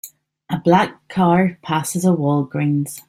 A black car passes a Walgreens